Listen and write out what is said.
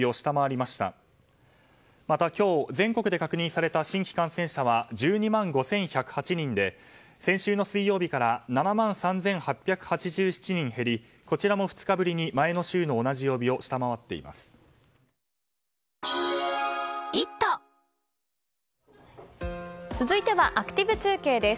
また今日、全国で確認された新規感染者は１２万５１０８人で先週の水曜日から７万３８８７人減りこちらも２日ぶりに前の週の同じ曜日を下回っています。